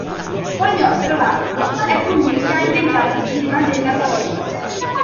Pagnol, tra l'altro, è colui che ha inventato il cinema della parola.